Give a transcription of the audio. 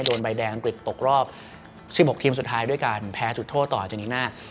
โดนใบแดงอังกฤษตกรอบ๑๖ทีมสุดท้ายด้วยการแพ้จุดโทษต่ออาเจนีน่า